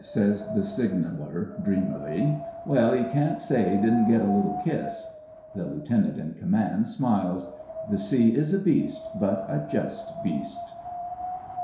says the signaller, dreamily. "Well, 'e can't say 'e didn't get 'is little kiss." The lieutenant in command smiles. The sea is a beast, but a just beast.